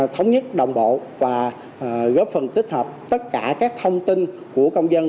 thống nhất đồng bộ và góp phần tích hợp tất cả các thông tin của công dân